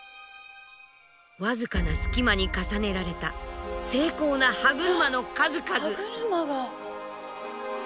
僅かな隙間に重ねられた精巧な歯車の数々。